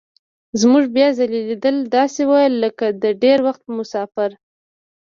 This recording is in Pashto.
زموږ بیا ځلي لیدل داسې وو لکه د ډېر وخت مسافر.